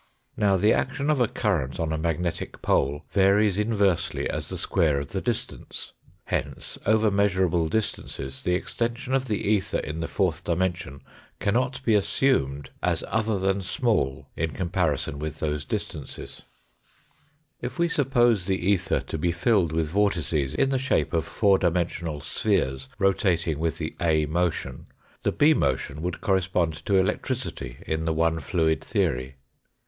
Now, the action of a current on a magnetic pole varies inversely as the square of the distance ; hence, over measurable distances the extension of the ether in the fourth dimension cannot be assumed as other than small in comparison with those distances. 230 THE FOUBTH DIMENSION If we suppose the ether to be filled with vortices in the shape of four dimensional spheres rotating with the A motion, the B motion would correspond to electricity in the one fluid theory.